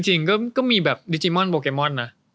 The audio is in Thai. จริงก็มีแบบดิจิมอนโบเกมอนนะ